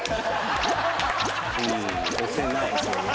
押せない？